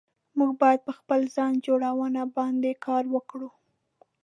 موږ بايد پر خپل ځان جوړونه باندي کار وکړو